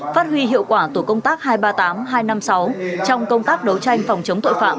phát huy hiệu quả tổ công tác hai trăm ba mươi tám hai trăm năm mươi sáu trong công tác đấu tranh phòng chống tội phạm